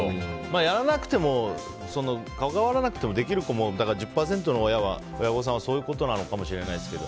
やらなくても関わらなくてもできる子も１０％の親御さんはそういうことなのかもしれないけど。